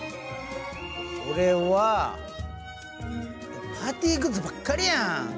俺はパーティーグッズばっかりやん！